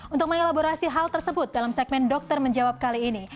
untuk mengelaborasi hal tersebut dalam segmen dokter menjawab kali ini